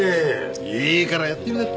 いいからやってみなって。